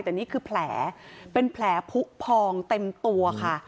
แต่นี่คือแผลเป็นแผลผู้พองเต็มตัวค่ะ